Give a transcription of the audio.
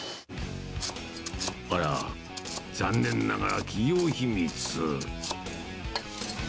あら、残念ながら企業秘密。